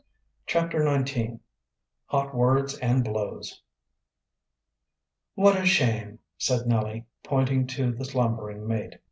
CHAPTER XIX HOT WORDS AND BLOWS "What a shame!" said Nellie, pointing to the slumbering mate.